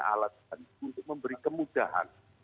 alat untuk memberi kemudahan